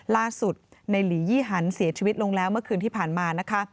ล่าสุดในหลียี่หันเสียชีวิตลงแล้วเมื่อคืนที่ผ่านมานะคะ